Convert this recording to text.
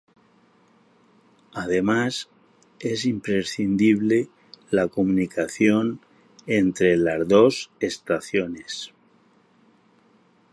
Además, es imprescindible la comunicación entre las dos estaciones.